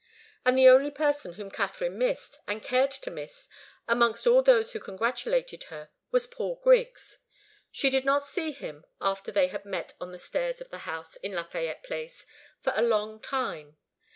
And the only person whom Katharine missed, and cared to miss, amongst all those who congratulated her was Paul Griggs. She did not see him, after they had met on the stairs of the house in Lafayette Place, for a long time.